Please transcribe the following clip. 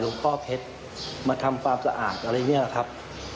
แล้วก็มั่นมาอยู่เดี๋ยวนะครับ